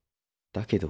だけど。